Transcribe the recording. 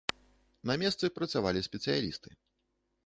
На месцы працавалі спецыялісты.